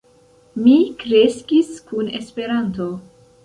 Mi kreskis kun Esperanto.